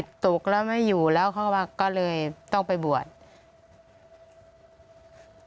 ตกแล้วไม่อยู่แล้วเขาก็เลยต้องไปบวช